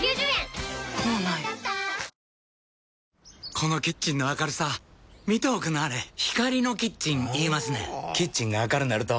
このキッチンの明るさ見ておくんなはれ光のキッチン言いますねんほぉキッチンが明るなると・・・